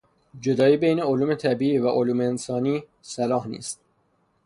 جدایی بین علوم طبیعی و علوم انسانی صلاح نیست.